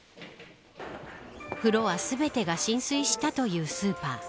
フロア全てが浸水したというスーパー。